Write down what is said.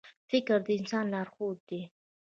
• فکر د انسان لارښود دی.